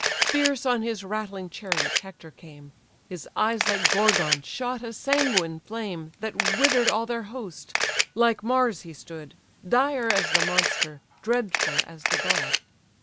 Fierce on his rattling chariot Hector came: His eyes like Gorgon shot a sanguine flame That wither'd all their host: like Mars he stood: Dire as the monster, dreadful as the god!